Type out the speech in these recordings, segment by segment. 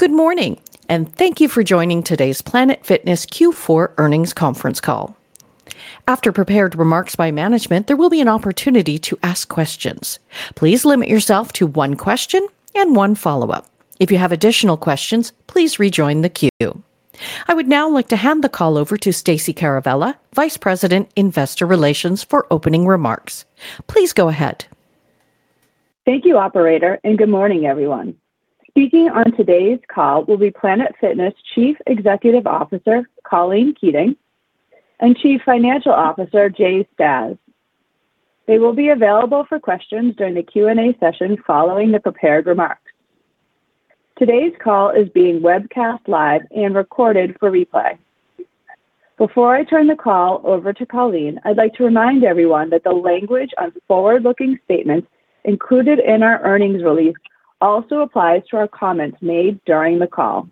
Good morning, thank you for joining today's Planet Fitness Q4 Earnings Conference Call. After prepared remarks by management, there will be an opportunity to ask questions. Please limit yourself to one question and one follow-up. If you have additional questions, please rejoin the queue. I would now like to hand the call over to Stacey Caravella, Vice President, Investor Relations, for opening remarks. Please go ahead. Thank you, operator, and good morning, everyone. Speaking on today's call will be Planet Fitness Chief Executive Officer, Colleen Keating, and Chief Financial Officer, Jay Stasz. They will be available for questions during the Q&A session following the prepared remarks. Today's call is being webcast live and recorded for replay. Before I turn the call over to Colleen, I'd like to remind everyone that the language on forward-looking statements included in our earnings release also applies to our comments made during the call.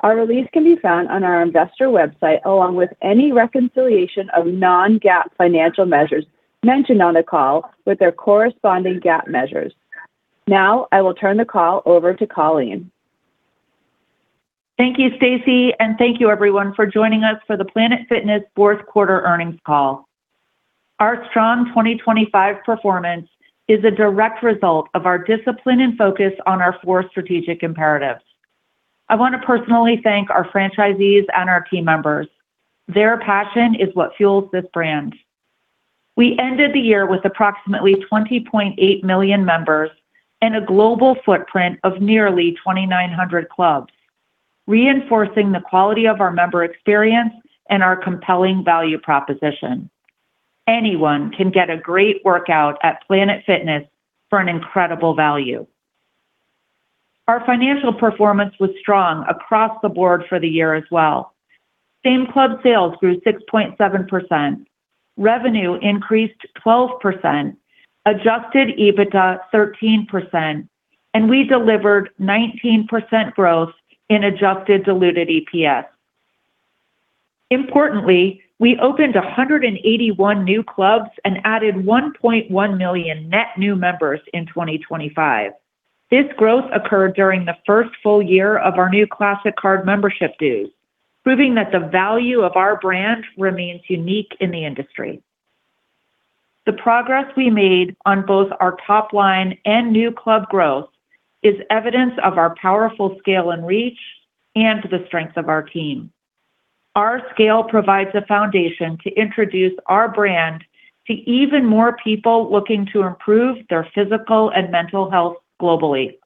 Our release can be found on our investor website, along with any reconciliation of non-GAAP financial measures mentioned on the call with their corresponding GAAP measures. Now, I will turn the call over to Colleen. Thank you, Stacy. Thank you everyone for joining us for the Planet Fitness Fourth Quarter Earnings Call. Our strong 2025 performance is a direct result of our discipline and focus on our four strategic imperatives. I want to personally thank our franchisees and our team members. Their passion is what fuels this brand. We ended the year with approximately 20.8 million members and a global footprint of nearly 2,900 clubs, reinforcing the quality of our member experience and our compelling value proposition. Anyone can get a great workout at Planet Fitness for an incredible value. Our financial performance was strong across the board for the year as well. Same-club sales grew 6.7%, revenue increased 12%, adjusted EBITDA 13%, and we delivered 19% growth in adjusted diluted EPS. Importantly, we opened 181 new clubs and added 1.1 million net new members in 2025. This growth occurred during the first full year of our new Classic Card Membership dues, proving that the value of our brand remains unique in the industry. The progress we made on both our top line and new club growth is evidence of our powerful scale and reach, and the strength of our team. Our scale provides a foundation to introduce our brand to even more people looking to improve their physical and mental health globally.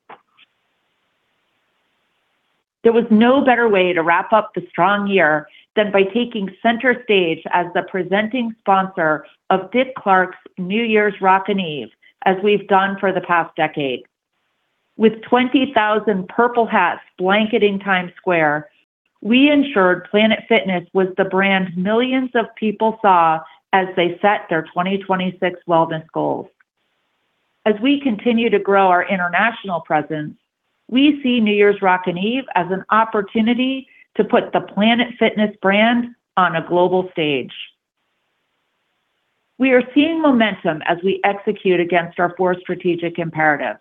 There was no better way to wrap up the strong year than by taking center stage as the presenting sponsor of Dick Clark's New Year's Rockin' Eve, as we've done for the past decade. With 20,000 purple hats blanketing Times Square, we ensured Planet Fitness was the brand millions of people saw as they set their 2026 wellness goals. As we continue to grow our international presence, we see New Year's Rockin' Eve as an opportunity to put the Planet Fitness brand on a global stage. We are seeing momentum as we execute against our four strategic imperatives.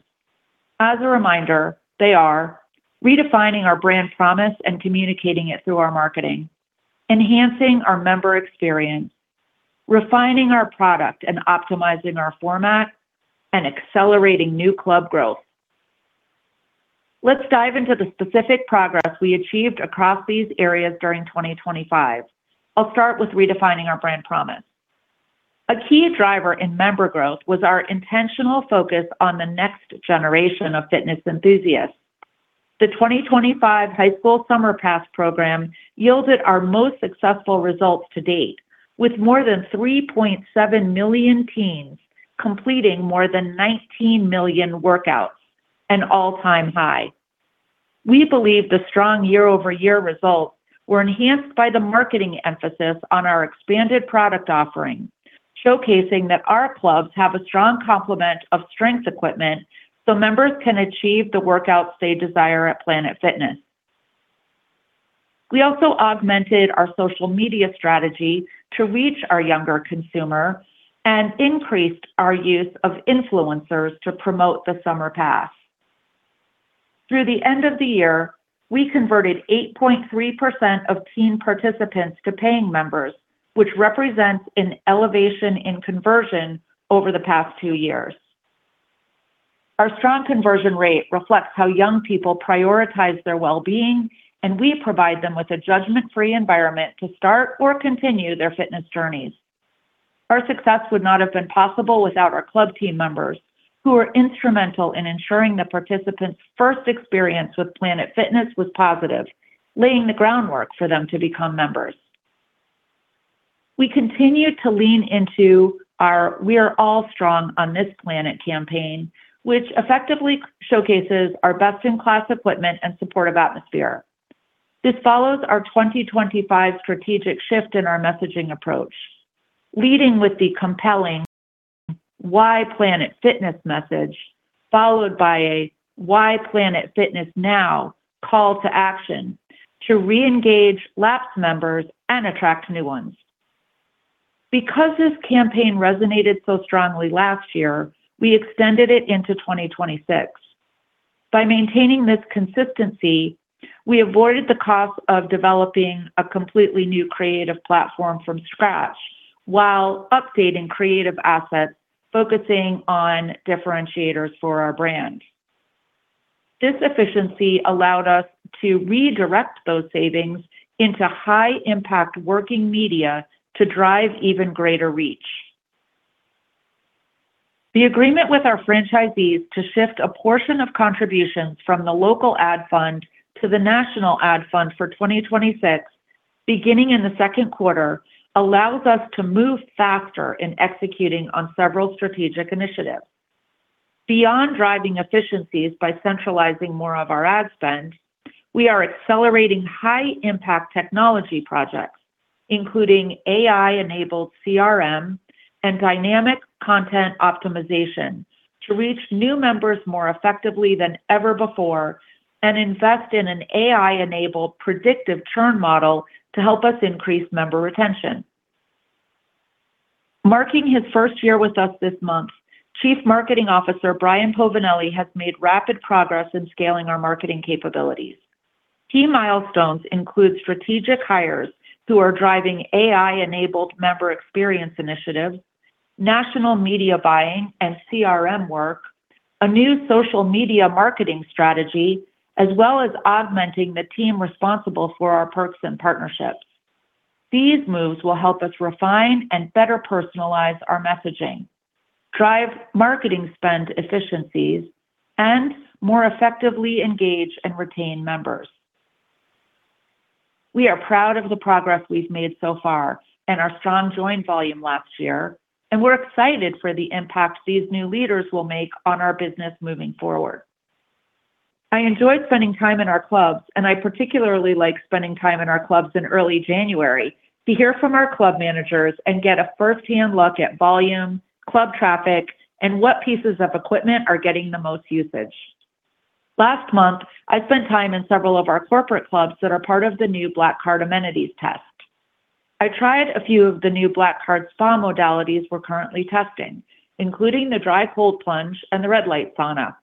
As a reminder, they are: redefining our brand promise and communicating it through our marketing, enhancing our member experience, refining our product and optimizing our format, and accelerating new club growth. Let's dive into the specific progress we achieved across these areas during 2025. I'll start with redefining our brand promise. A key driver in member growth was our intentional focus on the next generation of fitness enthusiasts. The 2025 High School Summer Pass program yielded our most successful results to date, with more than 3.7 million teens completing more than 19 million workouts, an all-time high. We believe the strong year-over-year results were enhanced by the marketing emphasis on our expanded product offerings, showcasing that our clubs have a strong complement of strength equipment so members can achieve the workouts they desire at Planet Fitness. We also augmented our social media strategy to reach our younger consumer and increased our use of influencers to promote the summer pass. Through the end of the year, we converted 8.3% of teen participants to paying members, which represents an elevation in conversion over the past two years. Our strong conversion rate reflects how young people prioritize their well-being, and we provide them with a judgment-free environment to start or continue their fitness journeys. Our success would not have been possible without our club team members, who are instrumental in ensuring the participants' first experience with Planet Fitness was positive, laying the groundwork for them to become members. We continued to lean into our We Are All Strong on This Planet campaign, which effectively showcases our best-in-class equipment and supportive atmosphere. This follows our 2025 strategic shift in our messaging approach, leading with the compelling Why Planet Fitness message, followed by a Why Planet Fitness Now call to action to reengage lapsed members and attract new ones. This campaign resonated so strongly last year, we extended it into 2026. By maintaining this consistency, we avoided the cost of developing a completely new creative platform from scratch, while updating creative assets, focusing on differentiators for our brand. This efficiency allowed us to redirect those savings into high-impact working media to drive even greater reach. The agreement with our franchisees to shift a portion of contributions from the local ad fund to the national ad fund for 2026, beginning in the second quarter, allows us to move faster in executing on several strategic initiatives. Beyond driving efficiencies by centralizing more of our ad spend, we are accelerating high-impact technology projects, including AI-enabled CRM and dynamic content optimization, to reach new members more effectively than ever before, and invest in an AI-enabled predictive churn model to help us increase member retention. Marking his first year with us this month, Chief Marketing Officer Brian Povinelli, has made rapid progress in scaling our marketing capabilities. Key milestones include strategic hires who are driving AI-enabled member experience initiatives, national media buying and CRM work, a new social media marketing strategy, as well as augmenting the team responsible for our Perks and partnerships. These moves will help us refine and better personalize our messaging, drive marketing spend efficiencies, and more effectively engage and retain members. We are proud of the progress we've made so far and our strong join volume last year, and we're excited for the impact these new leaders will make on our business moving forward. I enjoyed spending time in our clubs, and I particularly like spending time in our clubs in early January, to hear from our club managers and get a firsthand look at volume, club traffic, and what pieces of equipment are getting the most usage. Last month, I spent time in several of our corporate clubs that are part of the new Black Card amenities test. I tried a few of the new Black Card Spa modalities we're currently testing, including the dry cold plunge and the red light sauna.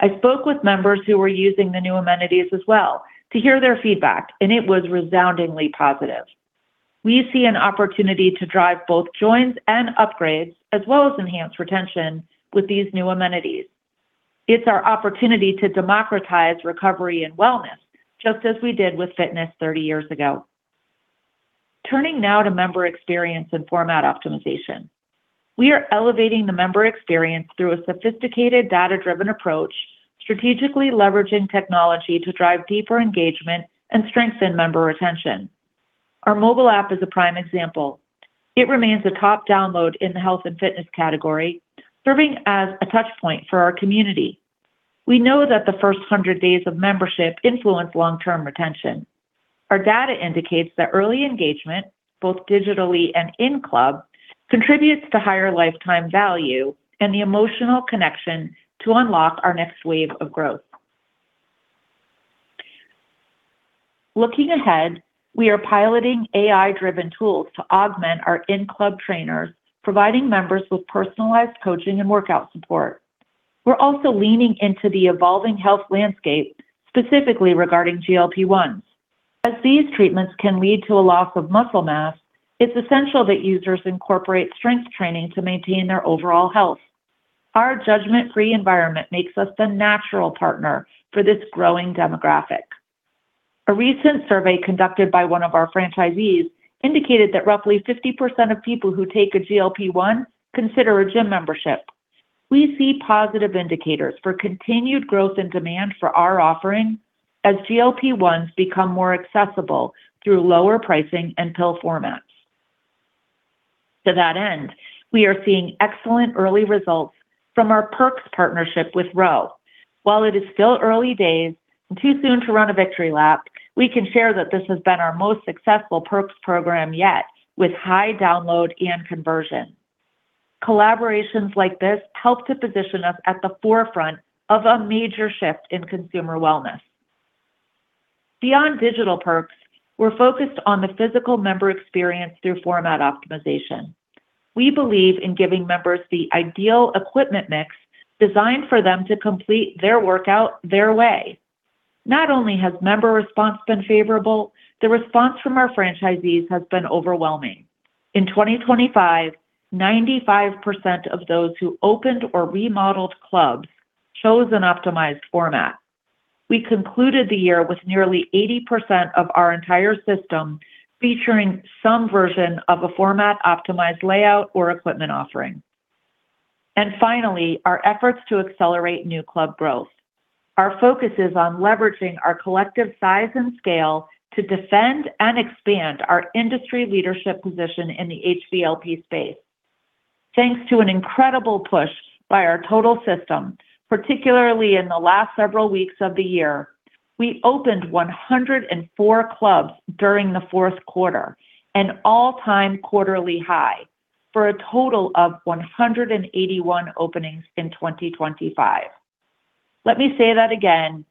I spoke with members who were using the new amenities as well to hear their feedback, and it was resoundingly positive. We see an opportunity to drive both joins and upgrades, as well as enhance retention with these new amenities. It's our opportunity to democratize recovery and wellness, just as we did with fitness 30 years ago. Turning now to member experience and format optimization. We are elevating the member experience through a sophisticated data-driven approach, strategically leveraging technology to drive deeper engagement and strengthen member retention. Our mobile app is a prime example. It remains a top download in the health and fitness category, serving as a touch point for our community. We know that the first 100 days of membership influence long-term retention. Our data indicates that early engagement, both digitally and in-club, contributes to higher lifetime value and the emotional connection to unlock our next wave of growth. Looking ahead, we are piloting AI-driven tools to augment our in-club trainers, providing members with personalized coaching and workout support. We're also leaning into the evolving health landscape, specifically regarding GLP-1s. As these treatments can lead to a loss of muscle mass, it's essential that users incorporate strength training to maintain their overall health. Our judgment-free environment makes us the natural partner for this growing demographic. A recent survey conducted by one of our franchisees indicated that roughly 50% of people who take a GLP-1 consider a gym membership. We see positive indicators for continued growth and demand for our offering as GLP-1s become more accessible through lower pricing and pill formats. To that end, we are seeing excellent early results from our Perks partnership with Ro. While it is still early days and too soon to run a victory lap, we can share that this has been our most successful Perks program yet, with high download and conversion. Collaborations like this help to position us at the forefront of a major shift in consumer wellness. Beyond digital Perks, we're focused on the physical member experience through format optimization. We believe in giving members the ideal equipment mix designed for them to complete their workout their way. Not only has member response been favorable, the response from our franchisees has been overwhelming. In 2025, 95% of those who opened or remodeled clubs chose an optimized format. We concluded the year with nearly 80% of our entire system featuring some version of a format-optimized layout or equipment offering. Finally, our efforts to accelerate new club growth. Our focus is on leveraging our collective size and scale to defend and expand our industry leadership position in the HVLP space. Thanks to an incredible push by our total system, particularly in the last several weeks of the year, we opened 104 clubs during the fourth quarter, an all-time quarterly high, for a total of 181 openings in 2025. Let me say that again,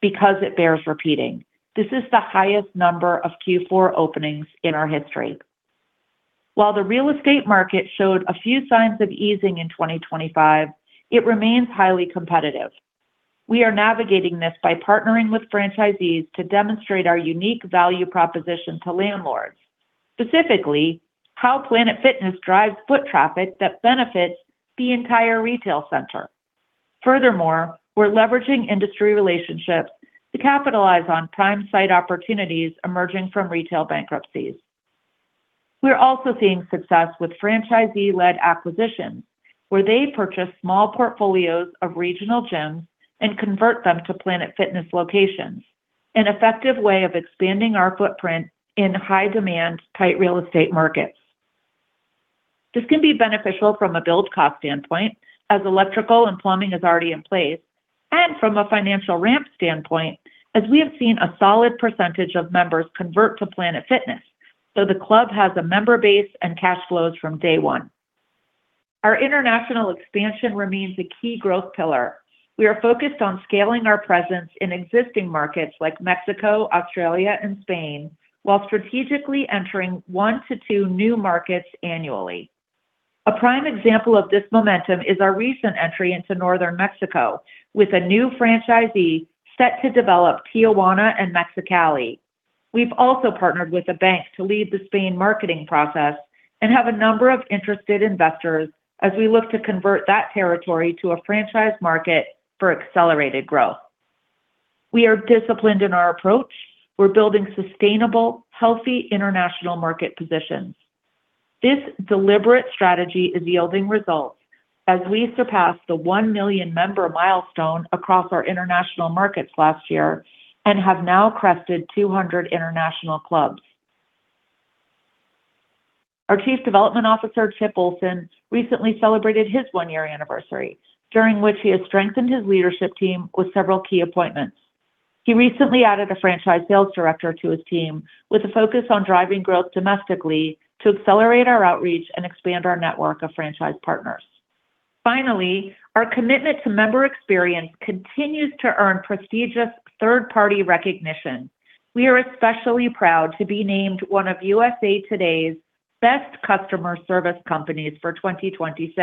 because it bears repeating. This is the highest number of Q4 openings in our history. While the real estate market showed a few signs of easing in 2025, it remains highly competitive. We are navigating this by partnering with franchisees to demonstrate our unique value proposition to landlords, specifically, how Planet Fitness drives foot traffic that benefits the entire retail center. Furthermore, we're leveraging industry relationships to capitalize on prime site opportunities emerging from retail bankruptcies. We're also seeing success with franchisee-led acquisitions, where they purchase small portfolios of regional gyms and convert them to Planet Fitness locations, an effective way of expanding our footprint in high-demand, tight real estate markets. This can be beneficial from a build cost standpoint, as electrical and plumbing is already in place, and from a financial ramp standpoint, as we have seen a solid percentage of members convert to Planet Fitness, so the club has a member base and cash flows from day one. Our international expansion remains a key growth pillar. We are focused on scaling our presence in existing markets like Mexico, Australia, and Spain, while strategically entering one to two new markets annually. A prime example of this momentum is our recent entry into Northern Mexico, with a new franchisee set to develop Tijuana and Mexicali. We've also partnered with a bank to lead the Spain marketing process and have a number of interested investors as we look to convert that territory to a franchise market for accelerated growth. We are disciplined in our approach. We're building sustainable, healthy international market positions. This deliberate strategy is yielding results as we surpassed the 1 million-member milestone across our international markets last year and have now crested 200 international clubs. Our Chief Development Officer, Chip Ohlson, recently celebrated his one-year anniversary, during which he has strengthened his leadership team with several key appointments. He recently added a franchise sales director to his team, with a focus on driving growth domestically to accelerate our outreach and expand our network of franchise partners. Finally, our commitment to member experience continues to earn prestigious third-party recognition. We are especially proud to be named one of USA Today's America's Best Customer Service 2026.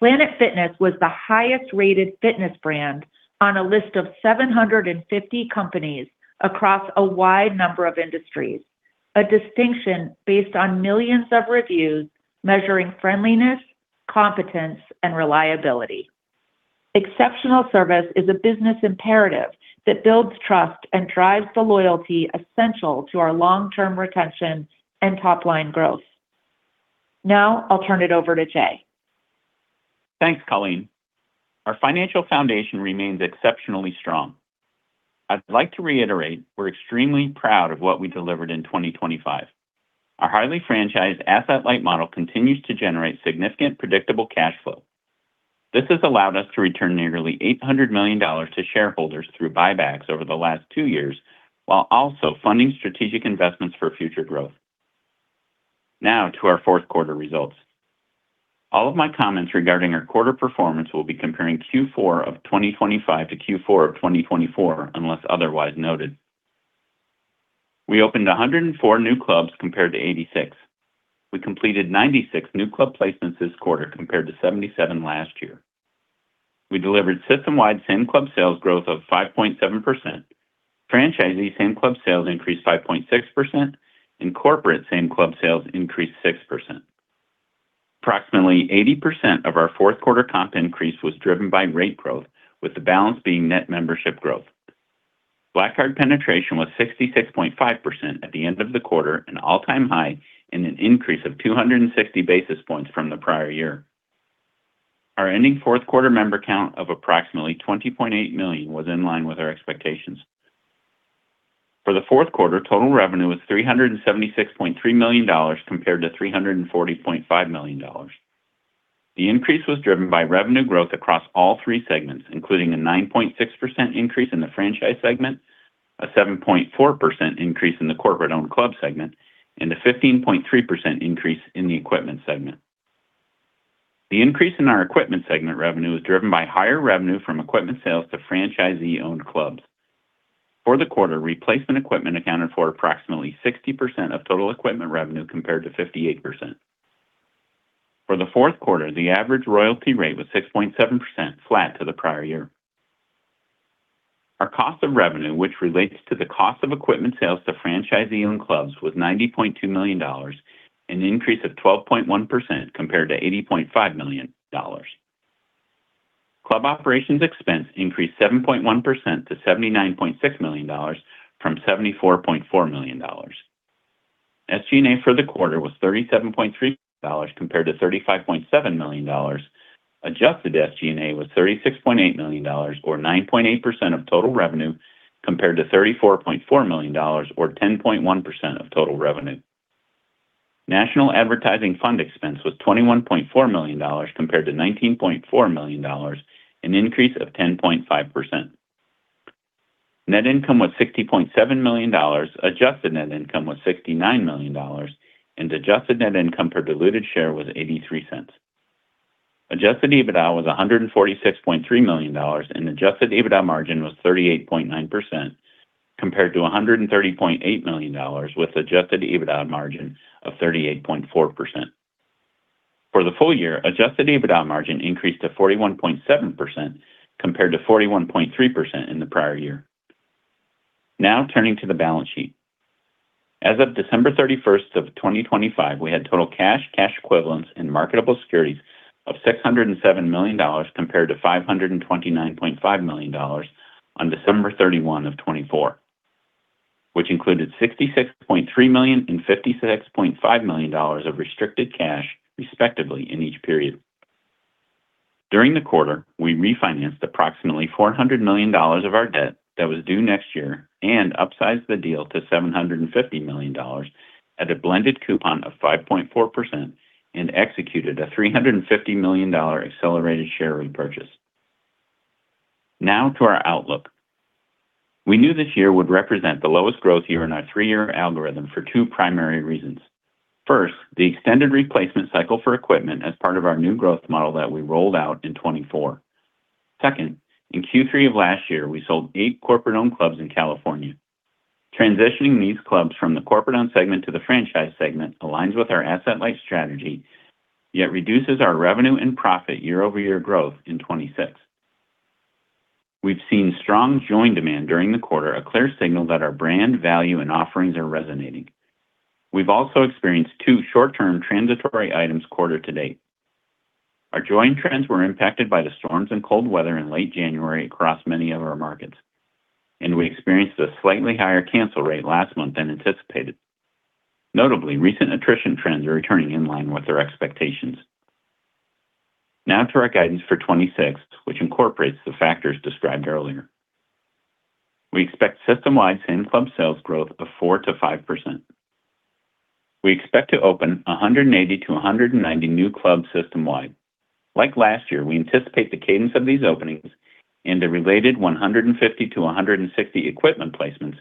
Planet Fitness was the highest-rated fitness brand on a list of 750 companies across a wide number of industries, a distinction based on millions of reviews measuring friendliness, competence, and reliability. Exceptional service is a business imperative that builds trust and drives the loyalty essential to our long-term retention and top-line growth. Now I'll turn it over to Jay. Thanks, Colleen. Our financial foundation remains exceptionally strong. I'd like to reiterate, we're extremely proud of what we delivered in 2025. Our highly franchised asset-light model continues to generate significant, predictable cash flow. This has allowed us to return nearly $800 million to shareholders through buybacks over the last two years, while also funding strategic investments for future growth. Now to our fourth quarter results. All of my comments regarding our quarter performance will be comparing Q4 of 2025 to Q4 of 2024, unless otherwise noted. We opened 104 new clubs compared to 86. We completed 96 new club placements this quarter compared to 77 last year. We delivered system-wide same-club sales growth of 5.7%. Franchisee same-club sales increased 5.6%, and corporate same-club sales increased 6%. Approximately 80% of our fourth quarter comp increase was driven by rate growth, with the balance being net membership growth. Black Card penetration was 66.5% at the end of the quarter, an all-time high and an increase of 260 basis points from the prior year. Our ending fourth quarter member count of approximately 20.8 million was in line with our expectations. For the fourth quarter, total revenue was $376.3 million, compared to $340.5 million. The increase was driven by revenue growth across all three segments, including a 9.6% increase in the franchise segment, a 7.4% increase in the corporate-owned club segment, and a 15.3% increase in the equipment segment. The increase in our equipment segment revenue was driven by higher revenue from equipment sales to franchisee-owned clubs. For the quarter, replacement equipment accounted for approximately 60% of total equipment revenue, compared to 58%. For the fourth quarter, the average royalty rate was 6.7%, flat to the prior year. Our cost of revenue, which relates to the cost of equipment sales to franchisee-owned clubs, was $90.2 million, an increase of 12.1% compared to $80.5 million. Club operations expense increased 7.1% to $79.6 million from $74.4 million. SG&A for the quarter was $37.3 million compared to $35.7 million. Adjusted SG&A was $36.8 million, or 9.8% of total revenue, compared to $34.4 million or 10.1% of total revenue. National Advertising Fund expense was $21.4 million compared to $19.4 million, an increase of 10.5%. Net income was $60.7 million, adjusted net income was $69 million, and adjusted net income per diluted share was $0.83. Adjusted EBITDA was $146.3 million, and adjusted EBITDA margin was 38.9%, compared to $130.8 million, with adjusted EBITDA margin of 38.4%. For the full year, adjusted EBITDA margin increased to 41.7%, compared to 41.3% in the prior year. Now, turning to the balance sheet. As of December 31, 2025, we had total cash equivalents, and marketable securities of $607 million, compared to $529.5 million on December 31, 2024, which included $66.3 million and $56.5 million of restricted cash, respectively, in each period. During the quarter, we refinanced approximately $400 million of our debt that was due next year and upsized the deal to $750 million at a blended coupon of 5.4% and executed a $350 million accelerated share repurchase. To our outlook. We knew this year would represent the lowest growth year in our three-year algorithm for two primary reasons. First, the extended replacement cycle for equipment as part of our new growth model that we rolled out in 2024. Second, in Q3 of last year, we sold 8 corporate-owned clubs in California. Transitioning these clubs from the corporate-owned segment to the franchise segment aligns with our asset-light strategy, yet reduces our revenue and profit year-over-year growth in 2026. We've seen strong join demand during the quarter, a clear signal that our brand value and offerings are resonating. We've also experienced 2 short-term transitory items quarter to date. Our join trends were impacted by the storms and cold weather in late January across many of our markets, and we experienced a slightly higher cancel rate last month than anticipated. Notably, recent attrition trends are returning in line with our expectations. To our guidance for 2026, which incorporates the factors described earlier. We expect system-wide same-club sales growth of 4%-5%. We expect to open 180-190 new clubs system-wide. Like last year, we anticipate the cadence of these openings and the related 150-160 equipment placements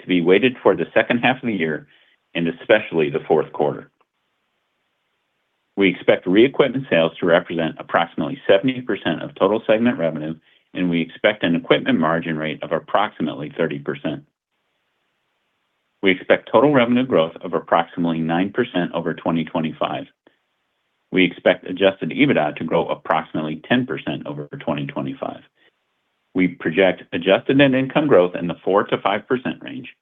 to be weighted for the second half of the year and especially the fourth quarter. We expect re-equipment sales to represent approximately 70% of total segment revenue, and we expect an equipment margin rate of approximately 30%. We expect total revenue growth of approximately 9% over 2025. We expect adjusted EBITDA to grow approximately 10% over 2025. We project adjusted net income growth in the 4%-5% range.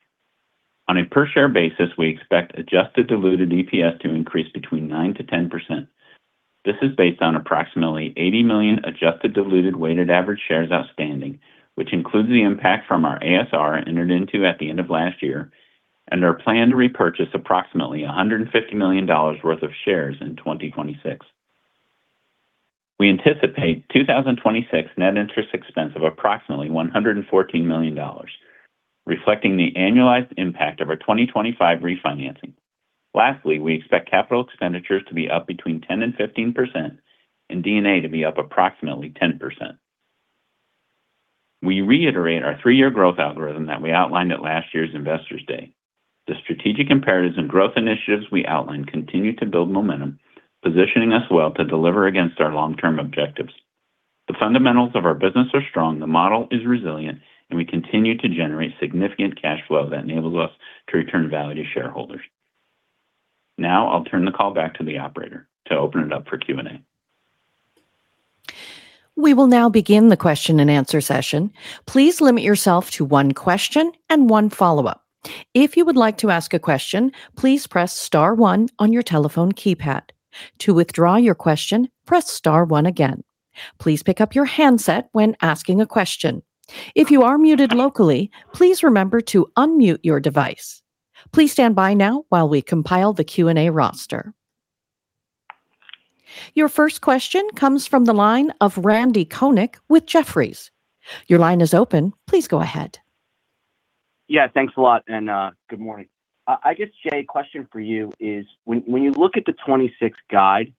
On a per-share basis, we expect adjusted diluted EPS to increase between 9%-10%. This is based on approximately 80 million adjusted diluted weighted average shares outstanding, which includes the impact from our ASR entered into at the end of last year and our plan to repurchase approximately $150 million worth of shares in 2026. We anticipate 2026 net interest expense of approximately $114 million, reflecting the annualized impact of our 2025 refinancing. Lastly, we expect capital expenditures to be up between 10% and 15% and D&A to be up approximately 10%. We reiterate our three-year growth algorithm that we outlined at last year's Investor Day. The strategic imperatives and growth initiatives we outlined continue to build momentum, positioning us well to deliver against our long-term objectives. The fundamentals of our business are strong, the model is resilient, and we continue to generate significant cash flow that enables us to return value to shareholders. Now I'll turn the call back to the operator to open it up for Q&A. We will now begin the question-and-answer session. Please limit yourself to 1 question and 1 follow-up. If you would like to ask a question, please press star one on your telephone keypad. To withdraw your question, press star one again. Please pick up your handset when asking a question. If you are muted locally, please remember to unmute your device. Please stand by now while we compile the Q&A roster. Your first question comes from the line of Randy Konik with Jefferies. Your line is open. Please go ahead. Yeah, thanks a lot, and good morning. I guess, Jay, question for you is, when you look at the 2026 guide,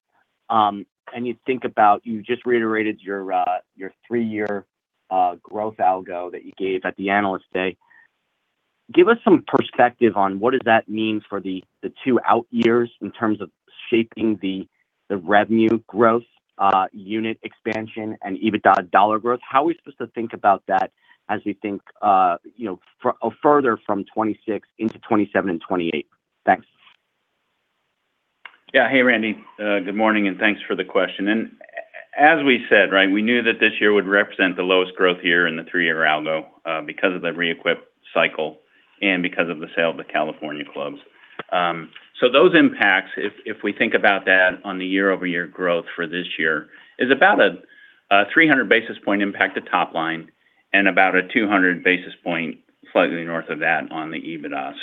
you just reiterated your three-year growth algo that you gave at the Analyst Day. Give us some perspective on what does that mean for the two out years in terms of shaping the revenue growth, unit expansion, and EBITDA dollar growth. How are we supposed to think about that as we think, you know, further from 2026 into 2027 and 2028? Thanks. Yeah. Hey, Randy, good morning, and thanks for the question. As we said, right, we knew that this year would represent the lowest growth year in the three-year algo because of the reequip cycle and because of the sale of the California clubs. Those impacts, if we think about that on the year-over-year growth for this year, is about a 300 basis point impact to top line and about a 200 basis point, slightly north of that, on the EBITDA.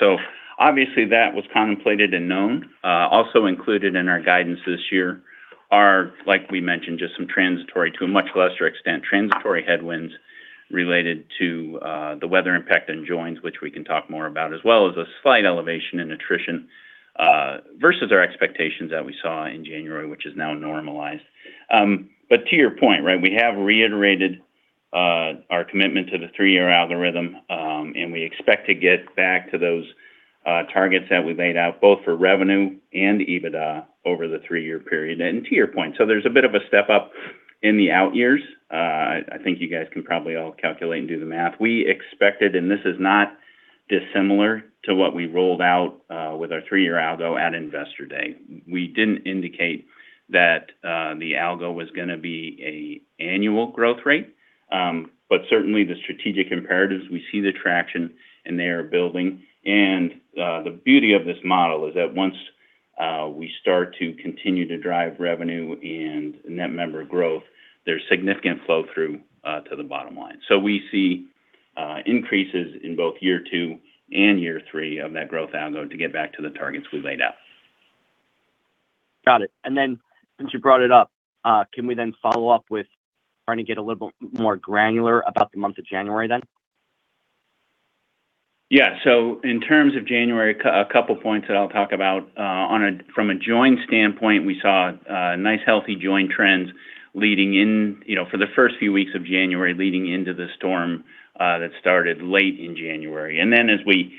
Obviously, that was contemplated and known. Also included in our guidance this year are, like we mentioned, just some transitory to a much lesser extent, transitory headwinds related to the weather impact on joins, which we can talk more about, as well as a slight elevation in attrition.... versus our expectations that we saw in January, which is now normalized. To your point, right, we have reiterated our commitment to the three-year algorithm, we expect to get back to those targets that we laid out, both for revenue and EBITDA over the three-year period. To your point, there's a bit of a step-up in the out years. I think you guys can probably all calculate and do the math. We expected, this is not dissimilar to what we rolled out with our three-year algo at Investor Day. We didn't indicate that the algo was gonna be a annual growth rate. Certainly the strategic imperatives, we see the traction, and they are building. The beauty of this model is that once we start to continue to drive revenue and net member growth, there's significant flow through to the bottom line. We see increases in both year two and year three of net growth algo to get back to the targets we laid out. Got it. Since you brought it up, can we then follow up with trying to get a little bit more granular about the month of January then? In terms of January, a couple points that I'll talk about. From a join standpoint, we saw nice healthy join trends leading in, you know, for the first few weeks of January, leading into the storm that started late in January. As we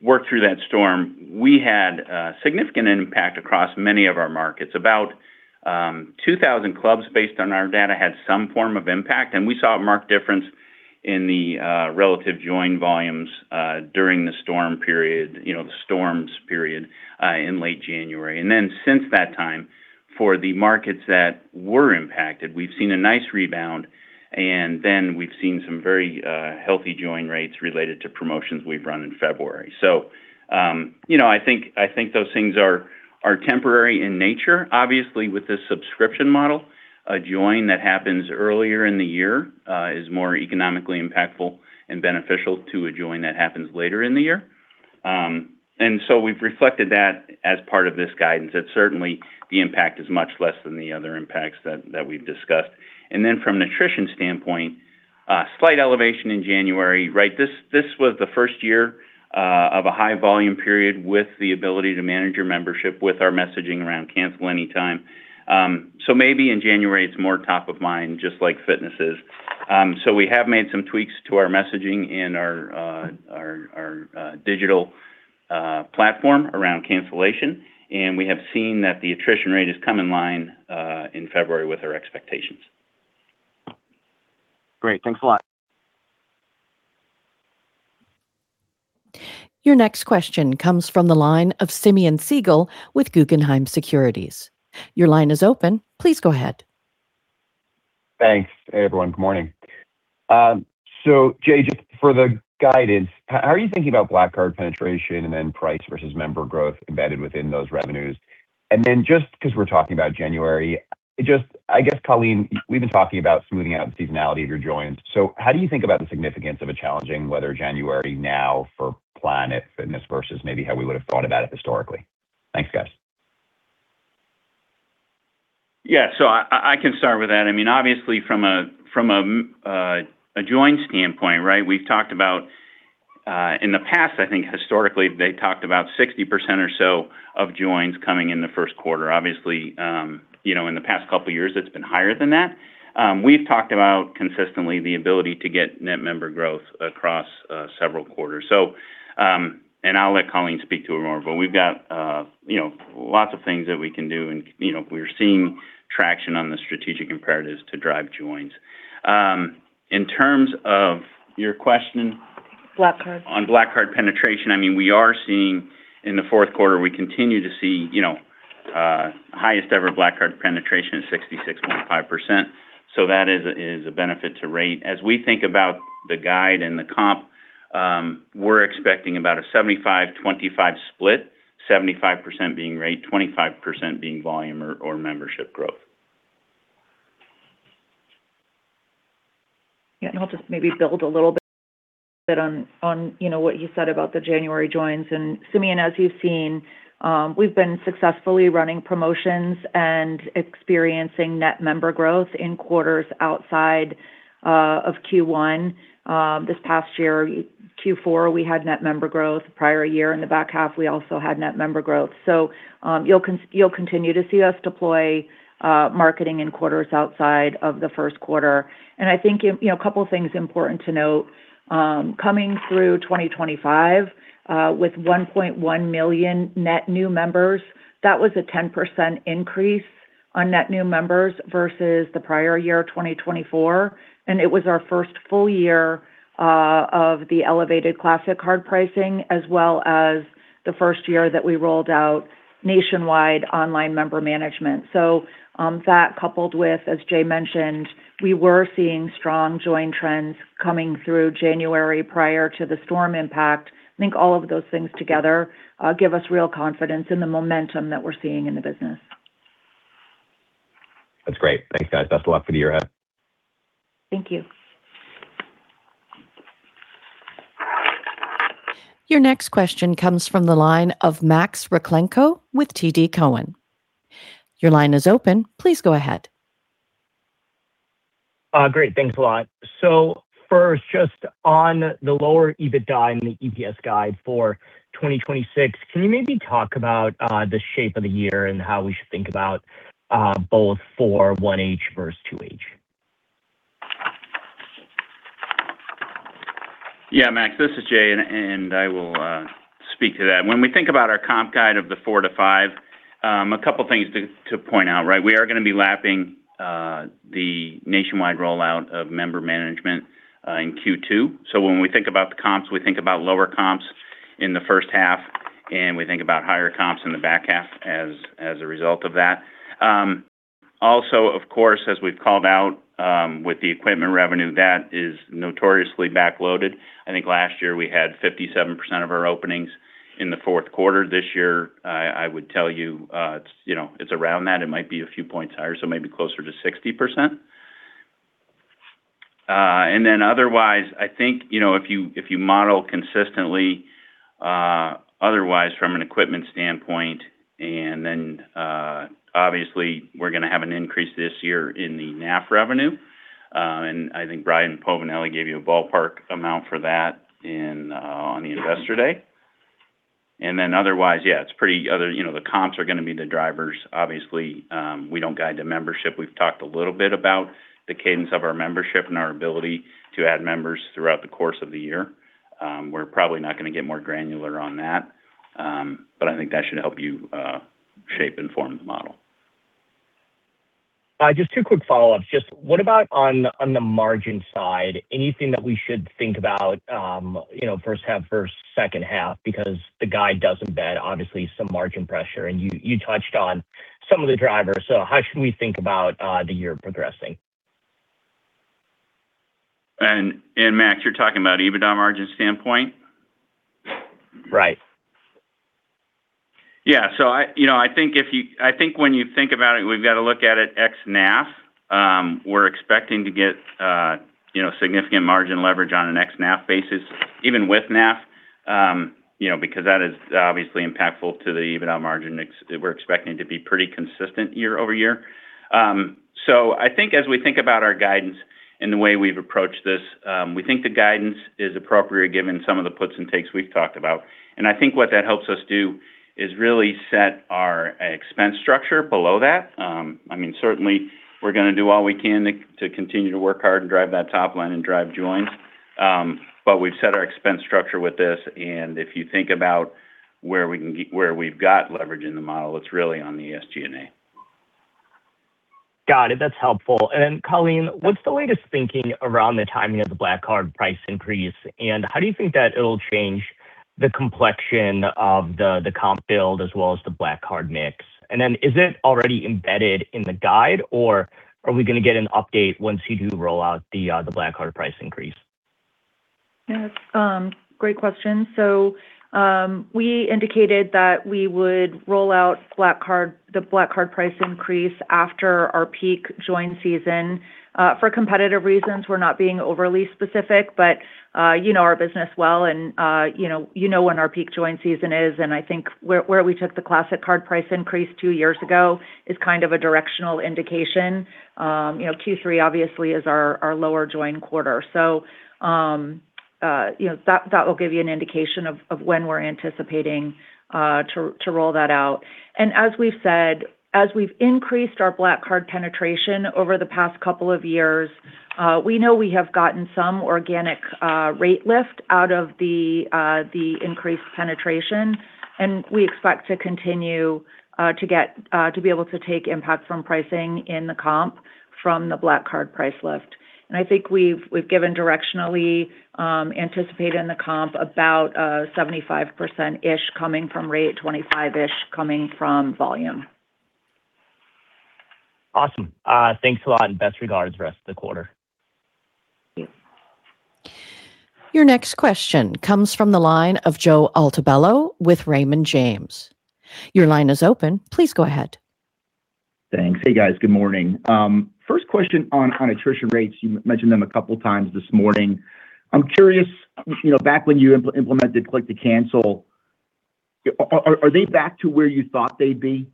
worked through that storm, we had a significant impact across many of our markets. About 2,000 clubs, based on our data, had some form of impact, and we saw a marked difference in the relative join volumes during the storm period, you know, in late January. Since that time, for the markets that were impacted, we've seen a nice rebound, and then we've seen some very healthy join rates related to promotions we've run in February. You know, I think those things are temporary in nature. Obviously, with this subscription model, a join that happens earlier in the year is more economically impactful and beneficial to a join that happens later in the year. We've reflected that as part of this guidance, that certainly the impact is much less than the other impacts that we've discussed. From an attrition standpoint, slight elevation in January, right? This was the first year of a high volume period with the ability to manage your membership with our messaging around cancel anytime. Maybe in January, it's more top of mind, just like fitness is. We have made some tweaks to our messaging in our digital platform around cancellation, and we have seen that the attrition rate has come in line in February with our expectations. Great. Thanks a lot. Your next question comes from the line of Simeon Siegel with Guggenheim Securities. Your line is open. Please go ahead. Thanks. Hey, everyone. Good morning. Jay, just for the guidance, how are you thinking about Black Card penetration and then price versus member growth embedded within those revenues? Just because we're talking about January, I guess, Colleen, we've been talking about smoothing out the seasonality of your joins. How do you think about the significance of a challenging weather January now for Planet Fitness versus maybe how we would have thought about it historically? Thanks, guys. I can start with that. I mean, obviously from a join standpoint, right, we've talked about. In the past, I think historically, they talked about 60% or so of joins coming in the first quarter. Obviously, you know, in the past couple of years, it's been higher than that. We've talked about consistently the ability to get net member growth across several quarters. And I'll let Colleen speak to it more, but we've got, you know, lots of things that we can do and, you know, we're seeing traction on the strategic imperatives to drive joins. In terms of your question. Black Card on Black Card penetration, I mean, we are seeing, in the fourth quarter, we continue to see, you know, highest-ever Black Card penetration at 66.5%, so that is a benefit to rate. As we think about the guide and the comp, we're expecting about a 75/25 split. 75% being rate, 25% being volume or membership growth. Yeah, I'll just maybe build a little bit on, you know, what you said about the January joins. Simeon, as you've seen, we've been successfully running promotions and experiencing net member growth in quarters outside of Q1. This past year, Q4, we had net member growth. The prior year, in the back half, we also had net member growth. You'll continue to see us deploy marketing in quarters outside of the first quarter. I think, you know, a couple things important to note, coming through 2025, with 1.1 million net new members, that was a 10% increase on net new members versus the prior year, 2024, and it was our first full-year of the elevated Classic Membership pricing, as well as the first year that we rolled out nationwide online member management. That coupled with, as Jay mentioned, we were seeing strong join trends coming through January prior to the storm impact. I think all of those things together give us real confidence in the momentum that we're seeing in the business. That's great. Thanks, guys. Best of luck for the year ahead. Thank you. Your next question comes from the line of Max Rakhlenko with TD Cowen. Your line is open. Please go ahead.... great. Thanks a lot. First, just on the lower EBITDA and the EPS guide for 2026, can you maybe talk about the shape of the year and how we should think about both for 1H versus 2H? Max, this is Jay, and I will speak to that. When we think about our comp guide of the 4-5, a couple of things to point out, right? We are gonna be lapping the nationwide rollout of member management in Q2. When we think about the comps, we think about lower comps in the first half, and we think about higher comps in the back half as a result of that. Of course, as we've called out, with the equipment revenue, that is notoriously backloaded. I think last year we had 57% of our openings in the fourth quarter. This year, I would tell you, it's, you know, it's around that. It might be a few points higher, maybe closer to 60%. Then otherwise, I think, you know, if you model consistently, otherwise from an equipment standpoint, then obviously we're gonna have an increase this year in the NAF revenue. I think Brian Povinelli gave you a ballpark amount for that on the Investor Day. Then otherwise, yeah, it's pretty you know, the comps are gonna be the drivers. Obviously, we don't guide the membership. We've talked a little bit about the cadence of our membership and our ability to add members throughout the course of the year. We're probably not gonna get more granular on that, but I think that should help you shape and form the model. Just two quick follow-ups. Just what about on the margin side? Anything that we should think about, you know, first half versus second half? The guide does embed, obviously, some margin pressure, and you touched on some of the drivers. How should we think about the year progressing? Max, you're talking about EBITDA margin standpoint? Right. you know, I think when you think about it, we've got to look at it ex-NAF. We're expecting to get, you know, significant margin leverage on an ex-NAF basis, even with NAF, you know, because that is obviously impactful to the EBITDA margin. We're expecting to be pretty consistent year-over-year. I think as we think about our guidance and the way we've approached this, we think the guidance is appropriate given some of the puts and takes we've talked about. I think what that helps us do is really set our expense structure below that. I mean, certainly we're gonna do all we can to continue to work hard and drive that top line and drive joins. We've set our expense structure with this, and if you think about where we've got leverage in the model, it's really on the SG&A. Got it. That's helpful. Colleen, what's the latest thinking around the timing of the PF Black Card price increase, and how do you think that it'll change the complexion of the comp build as well as the PF Black Card mix? Is it already embedded in the guide, or are we gonna get an update once you do roll out the PF Black Card price increase? Yes, great question. We indicated that we would roll out Black Card, the Black Card price increase after our peak join season. For competitive reasons, we're not being overly specific, you know our business well, you know, you know when our peak join season is, I think where we took the Classic Card price increase two years ago is kind of a directional indication. You know, Q3 obviously is our lower join quarter. You know, that will give you an indication of when we're anticipating to roll that out. As we've said, as we've increased our Black Card penetration over the past couple of years, we know we have gotten some organic rate lift out of the increased penetration, and we expect to continue to be able to take impact from pricing in the comp from the Black Card price lift. I think we've given directionally anticipated in the comp about 75%-ish coming from rate, 25-ish coming from volume. Awesome. Thanks a lot, and best regards for the rest of the quarter. Thanks. Your next question comes from the line of Joseph Altobello with Raymond James. Your line is open. Please go ahead. Thanks. Hey, guys. Good morning. First question on attrition rates. You mentioned them a couple of times this morning. I'm curious, you know, back when you implemented Click to Cancel, are they back to where you thought they'd be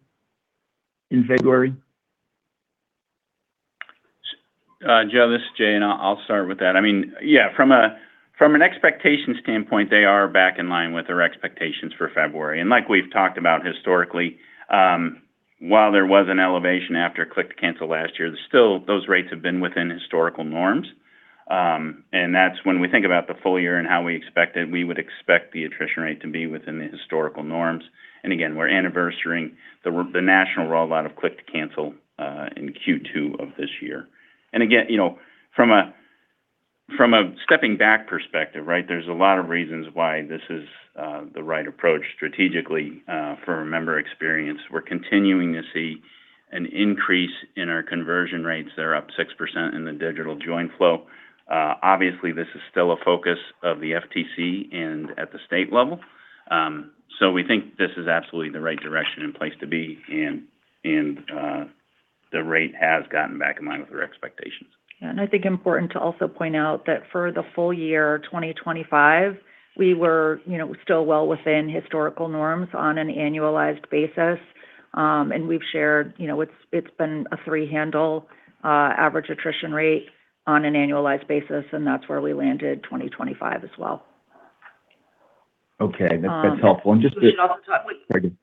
in February? Joe, this is Jay, I'll start with that. I mean, yeah, from an expectation standpoint, they are back in line with their expectations for February. Like we've talked about historically, while there was an elevation after Click to Cancel last year, still, those rates have been within historical norms. And that's when we think about the full year and how we expect it, we would expect the attrition rate to be within the historical norms. Again, we're anniversarying the national rollout of Click to Cancel in Q2 of this year. Again, you know, from a stepping back perspective, right? There's a lot of reasons why this is the right approach strategically for a member experience. We're continuing to see an increase in our conversion rates. They're up 6% in the digital join flow. Obviously, this is still a focus of the FTC and at the state level. We think this is absolutely the right direction and place to be, and the rate has gotten back in line with their expectations. I think important to also point out that for the full-year, 2025, we were, you know, still well within historical norms on an annualized basis. We've shared, you know, it's been a three handle average attrition rate on an annualized basis, and that's where we landed 2025 as well. Okay, that's helpful.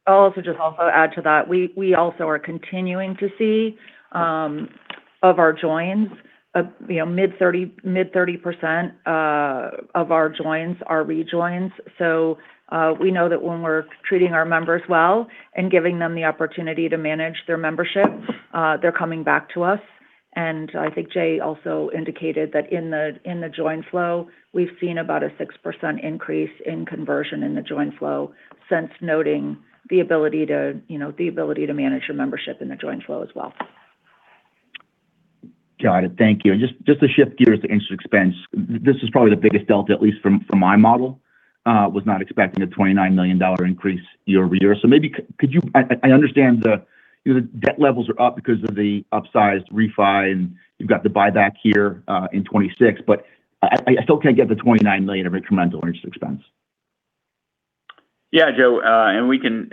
I'll also just add to that, we also are continuing to see, of our joins, you know, mid 30% of our joins are rejoins. We know that when we're treating our members well and giving them the opportunity to manage their membership, they're coming back to us. I think Jay also indicated that in the join flow, we've seen about a 6% increase in conversion in the join flow since noting the ability to, you know, the ability to manage your membership in the join flow as well. Got it. Thank you. Just to shift gears to interest expense, this is probably the biggest delta, at least from my model. Was not expecting a $29 million increase year-over-year. I understand the, you know, the debt levels are up because of the upsized refi, and you've got the buyback here in 2026. I still can't get the $29 million of incremental interest expense. Yeah, Joe, we can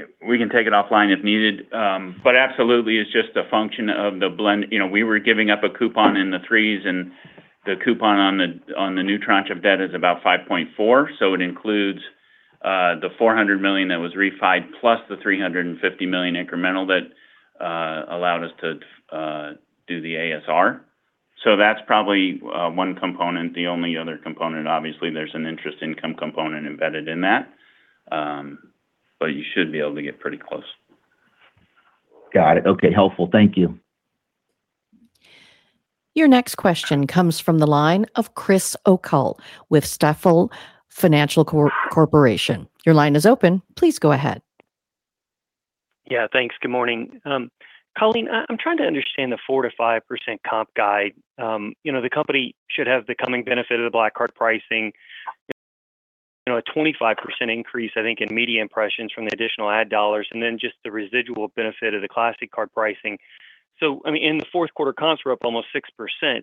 take it offline if needed. Absolutely, it's just a function of the blend. You know, we were giving up a coupon in the 3s, and the coupon on the new tranche of debt is about 5.4. It includes the $400 million that was refied, plus the $350 million incremental that allowed us to do the ASR. That's probably one component. The only other component, obviously, there's an interest income component embedded in that. You should be able to get pretty close. Got it. Okay, helpful. Thank you. Your next question comes from the line of Chris O'Cull with Stifel Financial Corporation. Your line is open. Please go ahead. Yeah, thanks. Good morning. Colleen, I'm trying to understand the 4%-5% comp guide. You know, the company should have the coming benefit of the Black Card pricing, you know, a 25% increase, I think, in media impressions from the additional ad dollars, and then just the residual benefit of the Classic Card pricing. I mean, in the fourth quarter, comps were up almost 6%.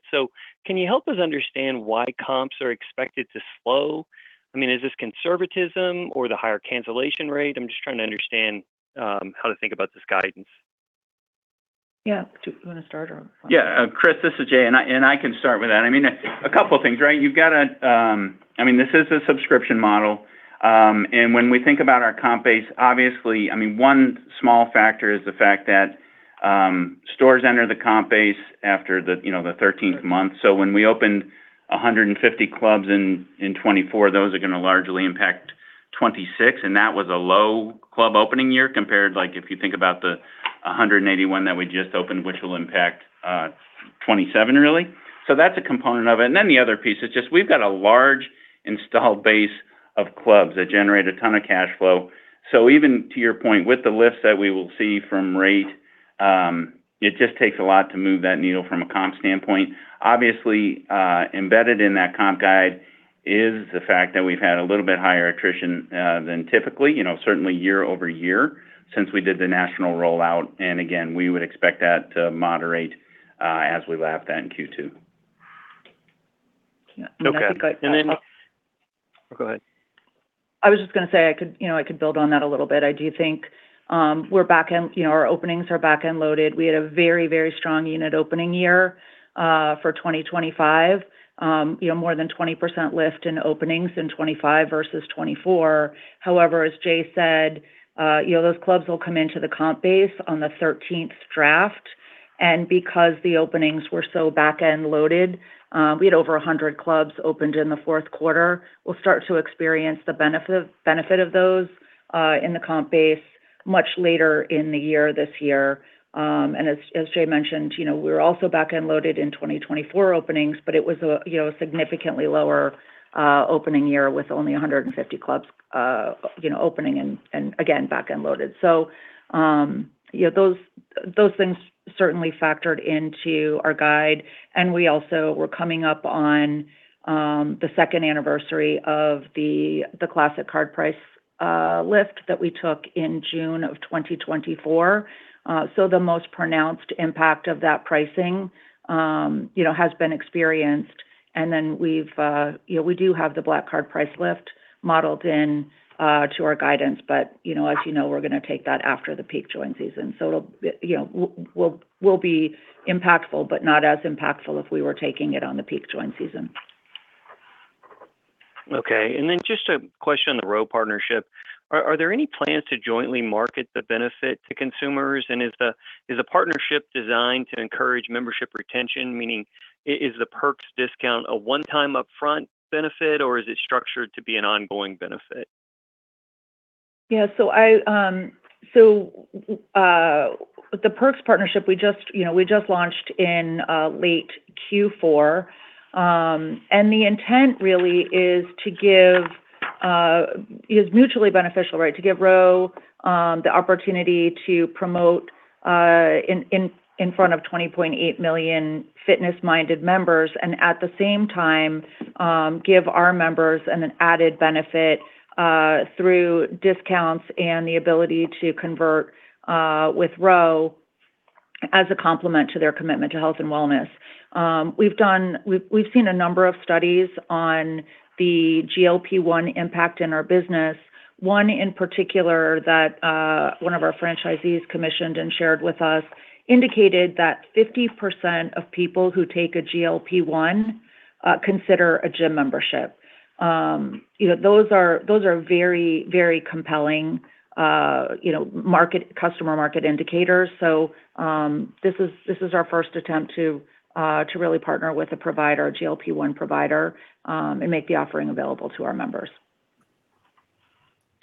Can you help us understand why comps are expected to slow? I mean, is this conservatism or the higher cancellation rate? I'm just trying to understand how to think about this guidance. Yeah. Do you want to start or? Yeah. Chris, this is Jay, and I can start with that. I mean, a couple of things, right? You've got a... I mean, this is a subscription model, and when we think about our comp base, obviously, I mean, one small factor is the fact that stores enter the comp base after the, you know, the 13th month. When we opened 150 clubs in 2024, those are gonna largely impact 2026, and that was a low club opening year, compared, like, if you think about the 181 that we just opened, which will impact 2027, really. That's a component of it. Then the other piece is just we've got a large installed base of clubs that generate a ton of cash flow. Even to your point, with the lift that we will see from rate, it just takes a lot to move that needle from a comp standpoint. Obviously, embedded in that comp guide is the fact that we've had a little bit higher attrition, than typically, you know, certainly year-over-year, since we did the national rollout. Again, we would expect that to moderate, as we lap that in Q2. Okay. Then- I think. Go ahead. I was just gonna say, I could, you know, I could build on that a little bit. I do think, we're, you know, our openings are back-end loaded. We had a very, very strong unit opening year for 2025. You know, more than 20% lift in openings in 25 versus 24. However, as Jay said, you know, those clubs will come into the comp base on the 13th draft. Because the openings were so back-end loaded, we had over 100 clubs opened in the fourth quarter. We'll start to experience the benefit of those in the comp base much later in the year this year. As Jay mentioned, you know, we were also back-end loaded in 2024 openings, but it was a, you know, significantly lower opening year with only 150 clubs, you know, opening and again, back-end loaded. Yeah, those things certainly factored into our guide, and we also were coming up on the second anniversary of the Classic Card price lift that we took in June of 2024. The most pronounced impact of that pricing, you know, has been experienced. Then we've, you know, we do have the Black Card price lift modeled in to our guidance, but, you know, as you know, we're gonna take that after the peak join season. It'll, you know, will be impactful, but not as impactful if we were taking it on the peak join season. Okay. Just a question on the Ro partnership. Are there any plans to jointly market the benefit to consumers? Is the partnership designed to encourage membership retention? Meaning, is the Perks discount a one-time upfront benefit, or is it structured to be an ongoing benefit? Yeah, I, the Perks partnership, we just, you know, we just launched in late Q4. The intent really is mutually beneficial, right? To give Ro the opportunity to promote in front of 20.8 million fitness-minded members, and at the same time, give our members an added benefit through discounts and the ability to convert with Ro, as a complement to their commitment to health and wellness. We've seen a number of studies on the GLP-1 impact in our business. One in particular that one of our franchisees commissioned and shared with us indicated that 50% of people who take a GLP-1 consider a gym membership. You know, those are very compelling, you know, customer market indicators. This is our first attempt to really partner with a provider, a GLP-1 provider, and make the offering available to our members.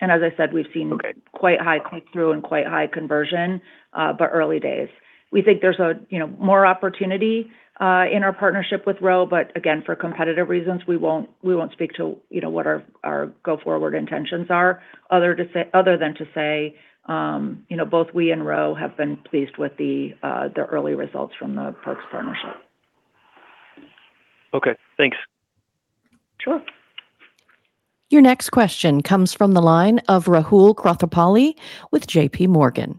As I said, we've seen- Okay... quite high click-through and quite high conversion, but early days. We think there's a, you know, more opportunity, in our partnership with Ro, but again, for competitive reasons, we won't speak to, you know, what our go-forward intentions are, other than to say, you know, both we and Ro have been pleased with the early results from the close partnership. Okay, thanks. Sure. Your next question comes from the line of Rahul Kothapalli with JPMorgan.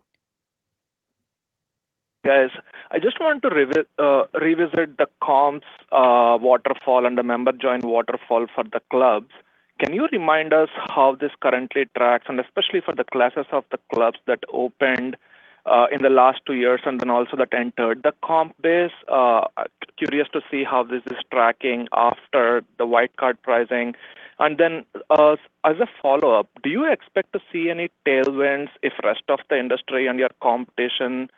Guys, I just wanted to revisit the comps, waterfall and the member joint waterfall for the clubs. Can you remind us how this currently tracks, and especially for the classes of the clubs that opened, in the last two years and then also that entered the comp base? Curious to see how this is tracking after the White Card pricing. As a follow-up, do you expect to see any tailwinds if rest of the industry and your competition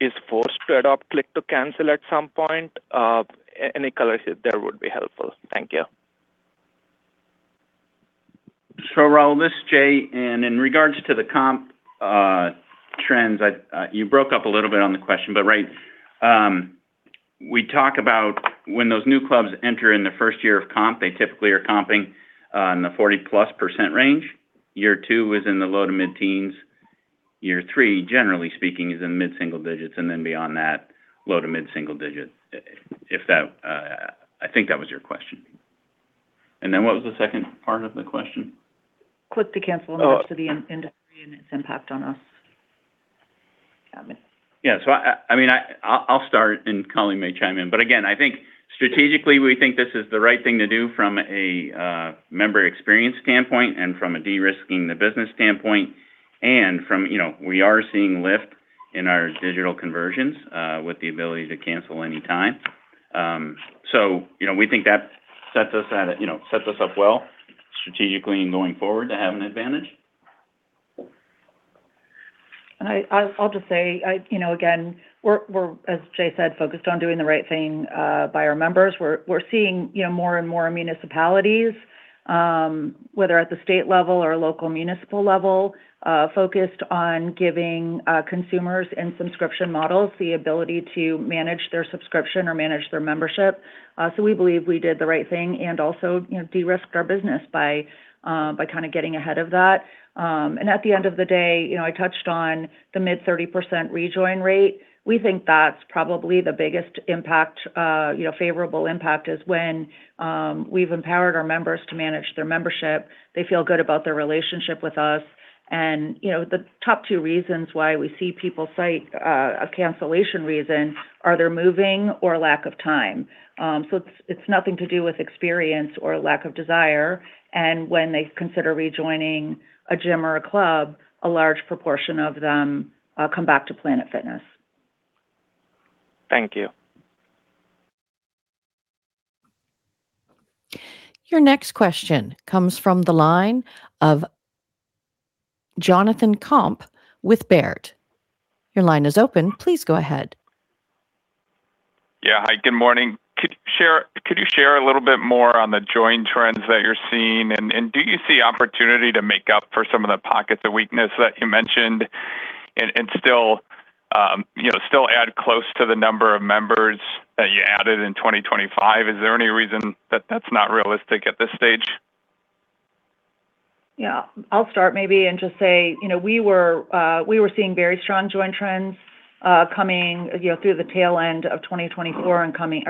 is forced to adopt Click to Cancel at some point? Any color there would be helpful. Thank you. Rahul, this is Jay. In regards to the comp trends, I, you broke up a little bit on the question, right, we talk about when those new clubs enter in the first year of comp, they typically are comping in the 40+% range. Year two is in the low to mid-teens. Year three, generally speaking, is in mid-single digits, then beyond that, low to mid-single digits. If that, I think that was your question. What was the second part of the question? Click to Cancel in regards to the industry and its impact on us. Yeah, I mean. I mean, I'll start, and Colleen may chime in. Again, I think strategically, we think this is the right thing to do from a member experience standpoint and from a de-risking the business standpoint, and from, you know, we are seeing lift in our digital conversions with the ability to cancel anytime. You know, we think that sets us at a, you know, sets us up well strategically and going forward to have an advantage. I'll just say, I, you know, again, we're as Jay said, focused on doing the right thing by our members. We're seeing, you know, more and more municipalities, whether at the state level or local municipal level, focused on giving consumers and subscription models the ability to manage their subscription or manage their membership. We believe we did the right thing and also, you know, de-risked our business by kind of getting ahead of that. At the end of the day, you know, I touched on the mid 30% rejoin rate. We think that's probably the biggest impact, you know, favorable impact is when we've empowered our members to manage their membership. They feel good about their relationship with us. You know, the top two reasons why we see people cite a cancellation reason are they're moving or lack of time. It's nothing to do with experience or lack of desire. When they consider rejoining a gym or a club, a large proportion of them come back to Planet Fitness. Thank you. Your next question comes from the line of Jonathan Komp with Baird. Your line is open. Please go ahead. Yeah. Hi, good morning. Could you share a little bit more on the join trends that you're seeing? Do you see opportunity to make up for some of the pockets of weakness that you mentioned and still, you know, still add close to the number of members that you added in 2025? Is there any reason that that's not realistic at this stage? I'll start maybe and just say, you know, we were seeing very strong joint trends, coming, you know, through the tail end of 2025 and coming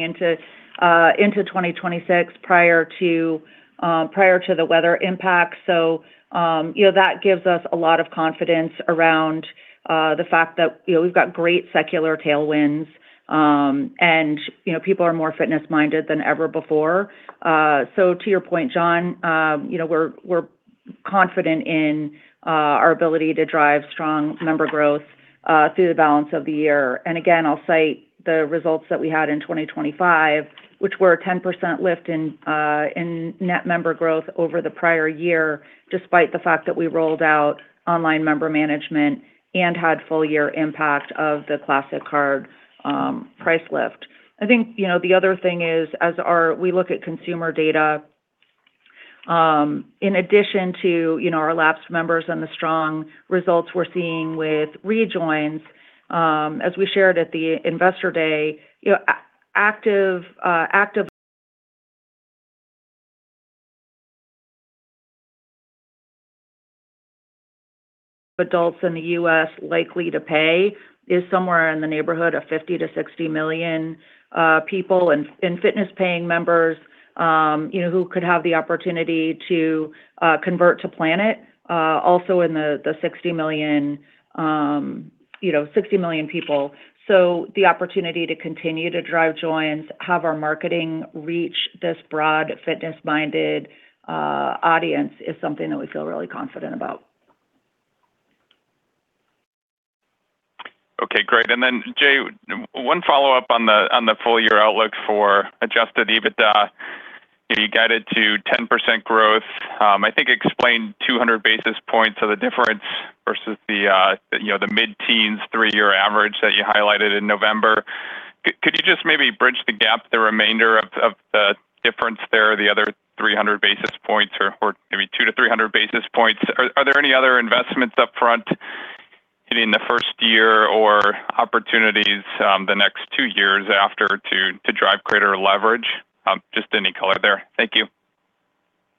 into 2026 prior to the weather impact. You know, that gives us a lot of confidence around the fact that, you know, we've got great secular tailwinds, and, you know, people are more fitness-minded than ever before. To your point, John, you know, we're confident in our ability to drive strong member growth through the balance of the year. Again, I'll cite the results that we had in 2025, which were a 10% lift in net member growth over the prior year, despite the fact that we rolled out online member management and had full year impact of the Classic card price lift. I think, you know, the other thing is, we look at consumer data, in addition to, you know, our lapsed members and the strong results we're seeing with rejoins, as we shared at the Investor Day, you know, active adults in the U.S. likely to pay is somewhere in the neighborhood of 50 million-60 million people. Fitness-paying members, you know, who could have the opportunity to convert to Planet, also in the 60 million, you know, 60 million people. The opportunity to continue to drive joins, have our marketing reach this broad, fitness-minded audience is something that we feel really confident about. Okay, great. Jay, one follow-up on the, on the full-year outlook for adjusted EBITDA. You guided to 10% growth. I think explain 200 basis points of the difference versus the, you know, the mid-teens three-year average that you highlighted in November. Could you just maybe bridge the gap, the remainder of the difference there, the other 300 basis points or maybe 200-300 basis points? Are there any other investments up front in the first year or opportunities the next two years after to drive greater leverage? Just any color there. Thank you.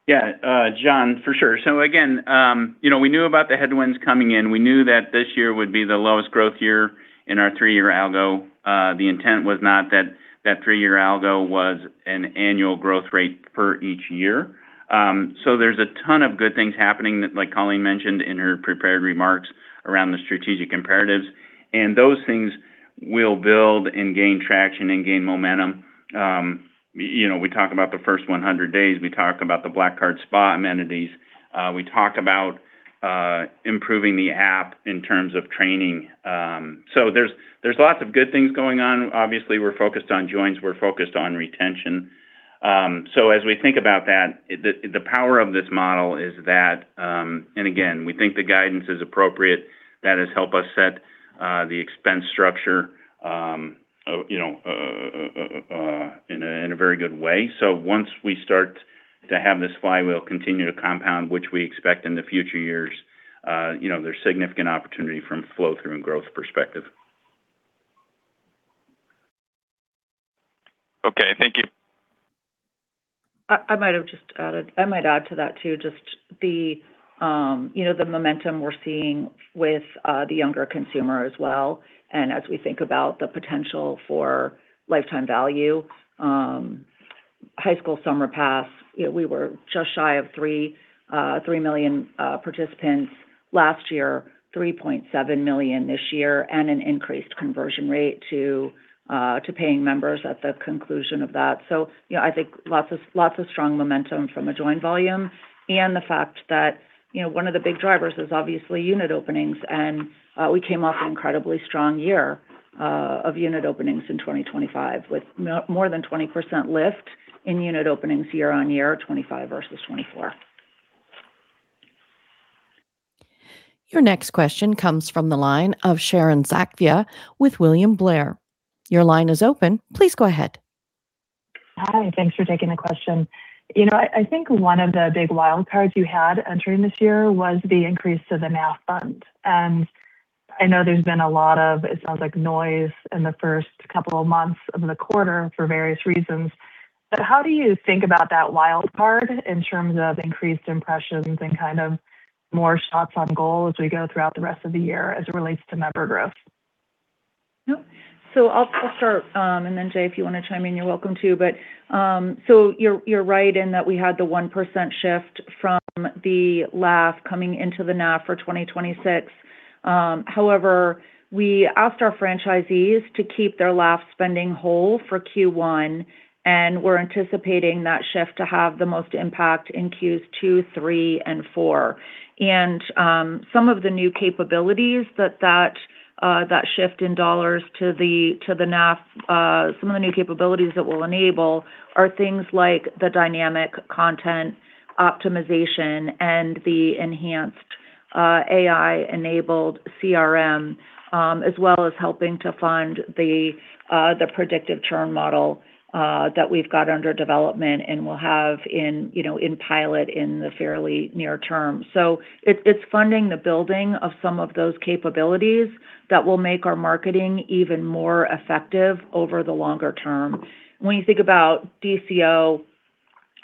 Yeah, John, for sure. Again, you know, we knew about the headwinds coming in. We knew that this year would be the lowest growth year in our three-year algo. The intent was not that that three-year algo was an annual growth rate for each year. There's a ton of good things happening, like Colleen mentioned in her prepared remarks around the strategic imperatives, and those things will build and gain traction and gain momentum. You know, we talk about the first 100 days, we talk about the Black Card Spa amenities, we talk about improving the app in terms of training. There's lots of good things going on. Obviously, we're focused on joins, we're focused on retention. that, the power of this model is that, and again, we think the guidance is appropriate. That has helped us set the expense structure, you know, in a very good way. So once we start to have this flywheel continue to compound, which we expect in the future years, you know, there's significant opportunity from flow through and growth perspective Okay, thank you. I might add to that, too, just the, you know, the momentum we're seeing with the younger consumer as well. As we think about the potential for lifetime value, High School Summer Pass, you know, we were just shy of 3 million participants last year, 3.7 million this year, and an increased conversion rate to paying members at the conclusion of that. You know, I think lots of, lots of strong momentum from a join volume and the fact that, you know, one of the big drivers is obviously unit openings, and we came off an incredibly strong year of unit openings in 2025, with more than 20% lift in unit openings year-on-year, 2025 versus 2024. Your next question comes from the line of Sharon Zackfia with William Blair. Your line is open. Please go ahead. Hi, thanks for taking the question. You know, I think one of the big wild cards you had entering this year was the increase to the NAF fund. I know there's been a lot of, it sounds like, noise in the first couple of months of the quarter for various reasons, but how do you think about that wild card in terms of increased impressions and kind of more shots on goal as we go throughout the rest of the year as it relates to member growth? Yep. I'll start, and then, Jay, if you want to chime in, you're welcome to. You're right in that we had the 1% shift from the LAF coming into the NAF for 2026. However, we asked our franchisees to keep their LAF spending whole for Q1, and we're anticipating that shift to have the most impact in Qs 2, 3, and 4. Some of the new capabilities that shift in dollars to the NAF, some of the new capabilities that we'll enable are things like the dynamic content optimization and the enhanced AI-enabled CRM, as well as helping to fund the predictive churn model that we've got under development and will have in pilot in the fairly near term. It's funding the building of some of those capabilities that will make our marketing even more effective over the longer term. When you think about DCO,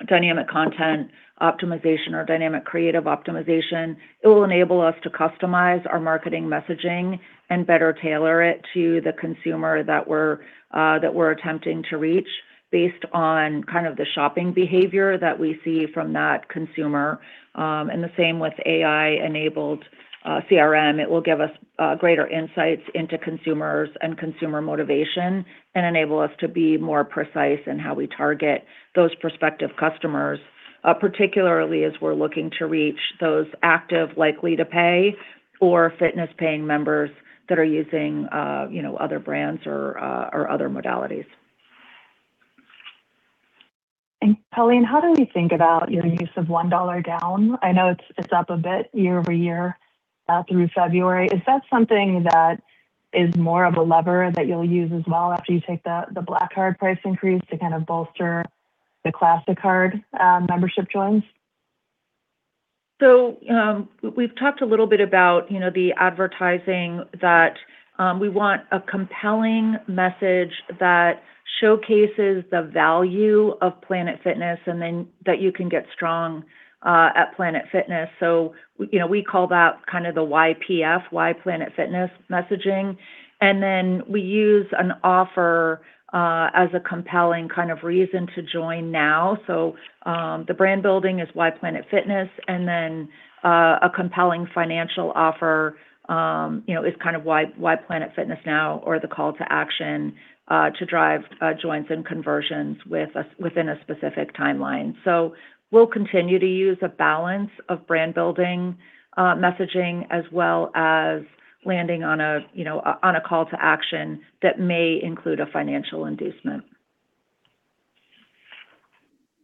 dynamic content optimization or dynamic creative optimization, it will enable us to customize our marketing messaging and better tailor it to the consumer that we're attempting to reach based on kind of the shopping behavior that we see from that consumer. And the same with AI-enabled CRM. It will give us greater insights into consumers and consumer motivation and enable us to be more precise in how we target those prospective customers, particularly as we're looking to reach those active, likely to pay or fitness-paying members that are using, you know, other brands or other modalities. Colleen, how do we think about the use of $1 down? I know it's up a bit year-over-year through February. Is that something that is more of a lever that you'll use as well after you take the Black Card price increase to kind of bolster the Classic Card membership joins? We've talked a little bit about, you know, the advertising, that we want a compelling message that showcases the value of Planet Fitness and then that you can get strong at Planet Fitness. We call that kind of the YPF, Why Planet Fitness messaging, and then we use an offer as a compelling kind of reason to join now. The brand building is Why Planet Fitness, and then a compelling financial offer is kind of why, Why Planet Fitness Now? Or the call to action to drive joins and conversions within a specific timeline. We'll continue to use a balance of brand building messaging, as well as landing on a call to action that may include a financial inducement.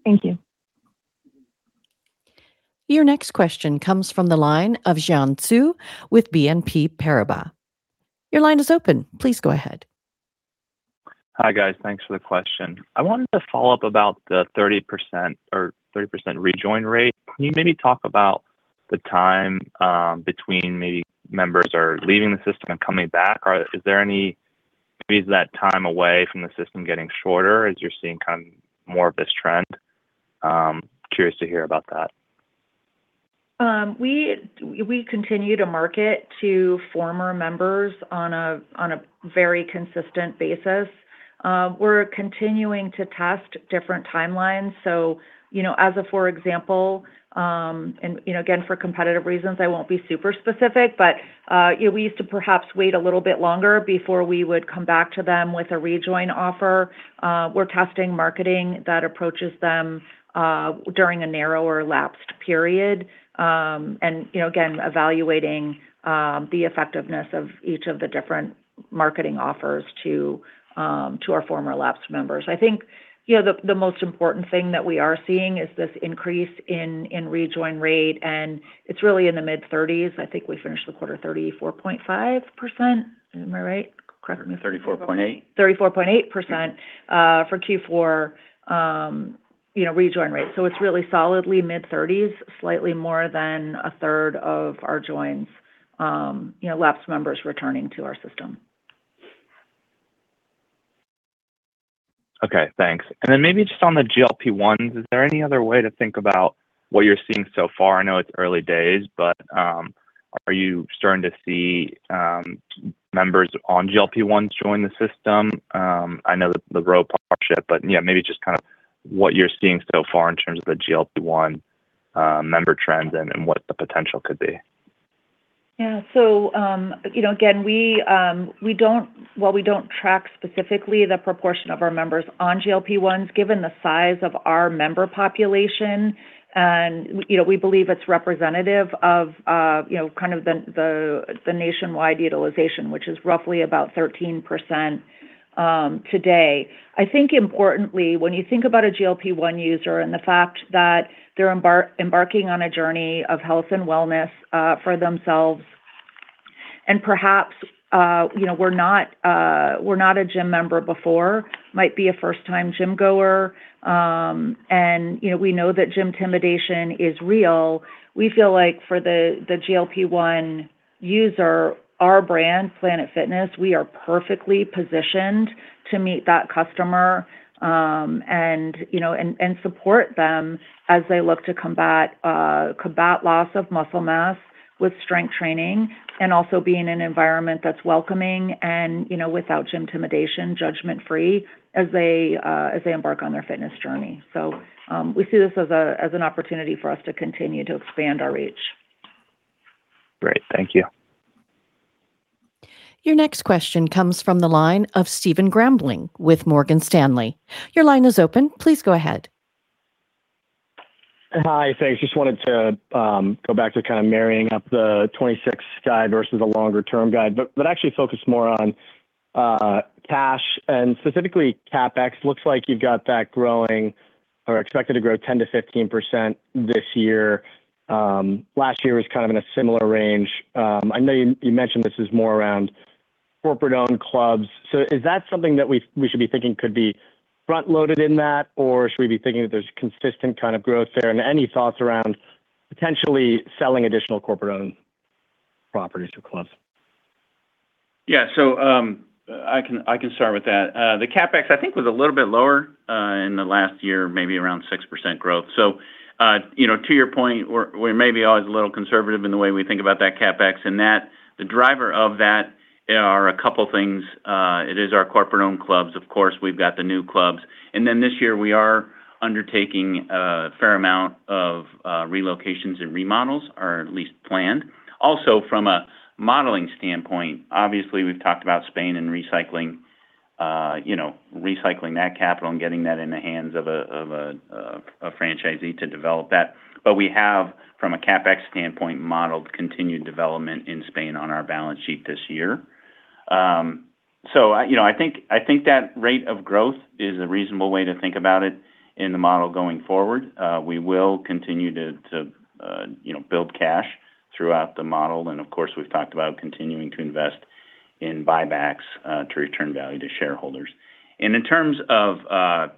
Thank you. Your next question comes from the line of Xian Siew with BNP Paribas. Your line is open. Please go ahead. Hi, guys. Thanks for the question. I wanted to follow up about the 30% rejoin rate. Can you maybe talk about the time between maybe members are leaving the system and coming back? Is that time away from the system getting shorter as you're seeing kind of more of this trend? Curious to hear about that. We continue to market to former members on a very consistent basis. We're continuing to test different timelines, so, you know, as a for example, and, you know, again, for competitive reasons, I won't be super specific, but, yeah, we used to perhaps wait a little bit longer before we would come back to them with a rejoin offer. We're testing marketing that approaches them during a narrower lapsed period, and, you know, again, evaluating the effectiveness of each of the different marketing offers to our former lapsed members. I think, you know, the most important thing that we are seeing is this increase in rejoin rate, and it's really in the mid-30s. I think we finished the quarter 34.5%. Am I right? Correct me. 34.8. 34.8% for Q4, you know, rejoin rate. It's really solidly mid-thirties, slightly more than a third of our joins, you know, lapsed members returning to our system. Okay, thanks. Maybe just on the GLP-1s, is there any other way to think about what you're seeing so far? I know it's early days, but are you starting to see members on GLP-1s join the system? I know the growth partnership, but yeah, maybe just kind of what you're seeing so far in terms of the GLP-1 member trends and what the potential could be. Yeah. you know, again, While we don't track specifically the proportion of our members on GLP-1s, given the size of our member population, and, you know, we believe it's representative of, you know, kind of the, the nationwide utilization, which is roughly about 13% today. I think importantly, when you think about a GLP-1 user and the fact that they're embarking on a journey of health and wellness for themselves, and perhaps, you know, were not a gym member before, might be a first-time gym goer, and, you know, we know that gym intimidation is real. We feel like for the GLP-1 user, our brand, Planet Fitness, we are perfectly positioned to meet that customer, and, you know, and support them as they look to combat loss of muscle mass with strength training and also be in an environment that's welcoming and, you know, without gym intimidation, judgment-free, as they embark on their fitness journey. We see this as an opportunity for us to continue to expand our reach. Great. Thank you. Your next question comes from the line of Stephen Grambling with Morgan Stanley. Your line is open. Please go ahead. Hi, thanks. Just wanted to kind of marrying up the 26 guide versus the longer-term guide, but actually focus more on cash and specifically CapEx. Looks like you've got that growing or expected to grow 10%-15% this year. Last year was kind of in a similar range. I know you mentioned this is more around corporate-owned clubs. Is that something that we should be thinking could be front-loaded in that, or should we be thinking that there's consistent kind of growth there? Any thoughts around potentially selling additional corporate-owned properties or clubs? I can start with that. The CapEx, I think was a little bit lower in the last year, maybe around 6% growth. You know, to your point, we're maybe always a little conservative in the way we think about that CapEx, and that, the driver of that are a couple things. It is our corporate-owned clubs, of course. We've got the new clubs. This year, we are undertaking a fair amount of relocations and remodels, or at least planned. From a modeling standpoint, obviously, we've talked about Spain and recycling, you know, recycling that capital and getting that in the hands of a franchisee to develop that. We have, from a CapEx standpoint, modeled continued development in Spain on our balance sheet this year. I, you know, I think that rate of growth is a reasonable way to think about it in the model going forward. We will continue to, you know, build cash throughout the model, and of course, we've talked about continuing to invest in buybacks, to return value to shareholders. In terms of,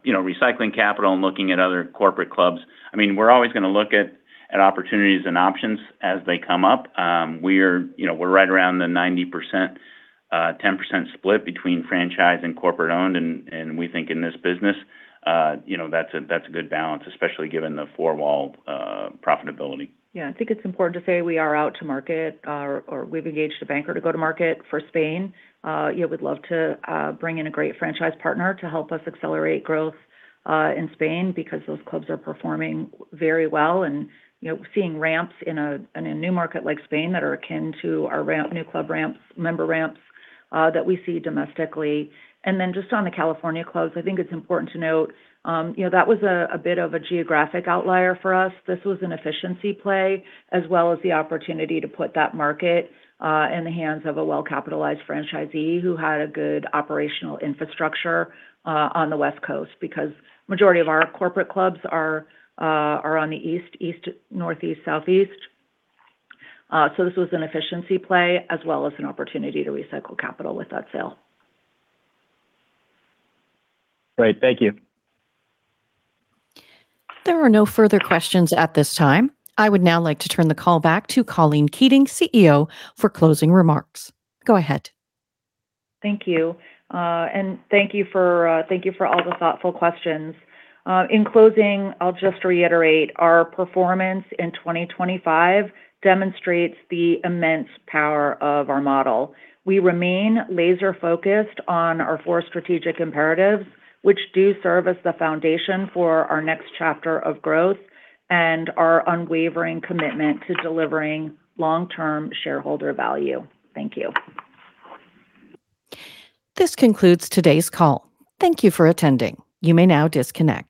you know, recycling capital and looking at other corporate clubs, I mean, we're always gonna look at opportunities and options as they come up. We're, you know, we're right around the 90%, 10% split between franchise and corporate-owned, and we think in this business, you know, that's a good balance, especially given the four-wall profitability. Yeah, I think it's important to say we are out to market or we've engaged a banker to go to market for Spain. Yeah, we'd love to bring in a great franchise partner to help us accelerate growth in Spain because those clubs are performing very well and, you know, seeing ramps in a, in a new market like Spain that are akin to our ramp, new club ramps, member ramps that we see domestically. Just on the California close, I think it's important to note, you know, that was a bit of a geographic outlier for us. This was an efficiency play, as well as the opportunity to put that market, in the hands of a well-capitalized franchisee who had a good operational infrastructure, on the West Coast, because majority of our corporate clubs are on the East, Northeast, Southeast. This was an efficiency play as well as an opportunity to recycle capital with that sale. Great. Thank you. There are no further questions at this time. I would now like to turn the call back to Colleen Keating, CEO, for closing remarks. Go ahead. Thank you. Thank you for all the thoughtful questions. In closing, I'll just reiterate our performance in 2025 demonstrates the immense power of our model. We remain laser-focused on our four strategic imperatives, which do serve as the foundation for our next chapter of growth and our unwavering commitment to delivering long-term shareholder value. Thank you. This concludes today's call. Thank you for attending. You may now disconnect.